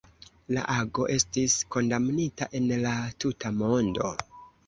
La ago estis kondamnita en la tuta mondo.